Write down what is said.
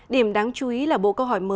điểm đáng chú ý là bộ câu hỏi mới